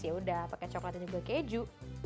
ya udah pakai coklat dan juga keju